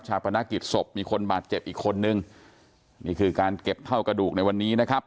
ปนักกิจศพมีคนบาดเจ็บอีกคนนึงนี่คือการเก็บเท่ากระดูกในวันนี้นะครับ